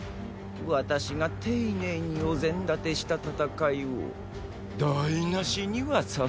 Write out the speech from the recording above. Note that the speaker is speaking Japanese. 私が丁寧にお膳立てした戦いを台なしにはさせません。